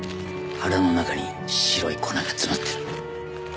腹の中に白い粉が詰まってる。